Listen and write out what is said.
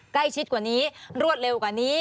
ใกล้ชิดกว่านี้รวดเร็วกว่านี้